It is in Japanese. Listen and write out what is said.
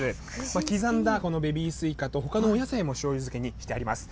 刻んだこのベビースイカと、ほかのお野菜もしょうゆ漬けにしてあります。